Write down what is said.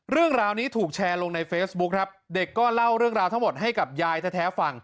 เรื่องราวนี้ถูกแชร์ลงในเฟซบุ๊คครับเด็กก็เล่าเรื่องราวทั้งหมดให้กับยายแท้ฟัง